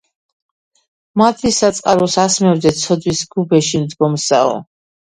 მადლისა წყაროს ასმევდე ცოდვის გუბეში მდგომსაო.